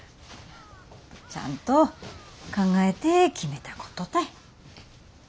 ちゃんと考えて決めたことたい。